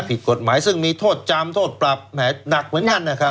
ผิดกฎหมายซึ่งมีโทษจำโทษปรับแห่หนักเหมือนกันนะครับ